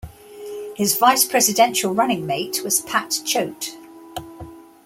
His vice presidential running mate was Pat Choate.